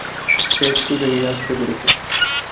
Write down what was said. Check, সোজা গিয়ে আছড়ে পড়েছে।